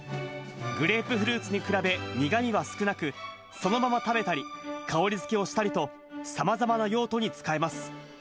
グレープフルーツに比べ、苦みは少なく、そのまま食べたり、香りづけをしたりと、さまざまな用途に使えます。